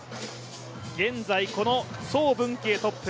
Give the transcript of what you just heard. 現在、この曾文ケイトップ。